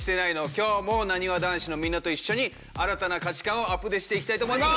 今日もなにわ男子のみんなと一緒に新たな価値観をアプデしていきたいと思います！